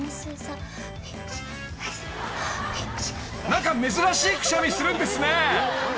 ［何か珍しいくしゃみするんですね］